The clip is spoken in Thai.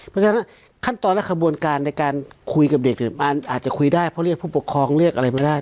เพราะฉะนั้นขั้นตอนและขบวนการในการคุยกับเด็กเนี่ยอาจจะคุยได้เพราะเรียกผู้ปกครองเรียกอะไรมาได้